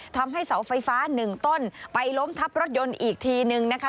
ทำให้เสาไฟฟ้าหนึ่งต้นไปล้มทับรถยนต์อีกทีนึงนะคะ